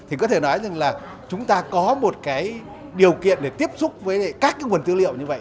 thì có thể nói rằng là chúng ta có một cái điều kiện để tiếp xúc với các cái nguồn tư liệu như vậy